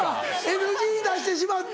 ＮＧ出してしまって。